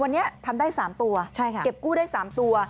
วันนี้ทำได้๓ตัวเก็บกู้ได้๓ตัว